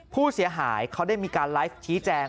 ผู้เสียหายเขาได้มีการไลฟ์ชี้แจง